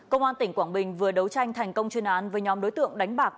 công an tỉnh quảng bình vừa đấu tranh thành công chuyên án với nhóm đối tượng đánh bạc